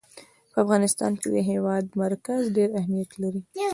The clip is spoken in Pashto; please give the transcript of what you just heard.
په افغانستان کې د هېواد مرکز ډېر اهمیت لري.